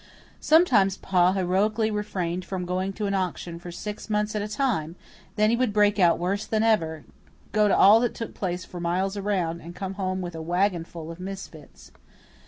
Sometimes Pa heroically refrained from going to an auction for six months at a time; then he would break out worse than ever, go to all that took place for miles around, and come home with a wagonful of misfits.